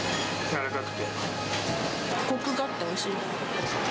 こくがあっておいしいです。